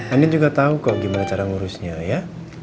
anda juga tahu kok gimana cara ngurusnya ya